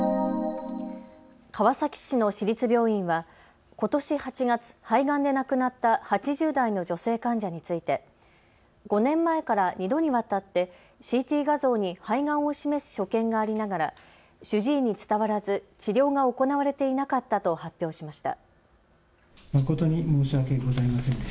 川崎市の市立病院はことし８月、肺がんで亡くなった８０代の女性患者について５年前から２度にわたってＣＴ画像に肺がんを示す所見がありながら、主治医に伝わらず治療が行われていなかったと発表しました。